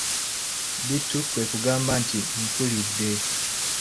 Bittu kwe kugamba nti:"mpulidde"